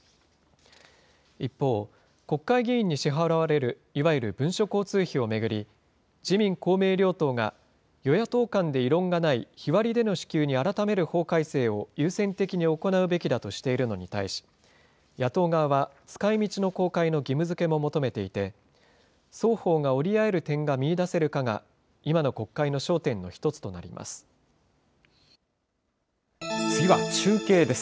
一方、国会議員に支払われる、いわゆる文書交通費を巡り、自民、公明両党が与野党間で異論がない、日割りでの支給に改める法改正を優先的に行うべきだとしているのに対し、野党側は使いみちの公開の義務づけも求めていて、双方が折り合える点が見いだせるかが今の国会の焦点の一つとなり次は中継です。